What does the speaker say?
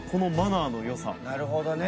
なるほどね。